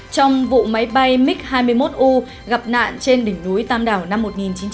trong vụ máy bay mig hai mươi một u gặp nạn trên đỉnh núi tam đảo năm một nghìn chín trăm bảy mươi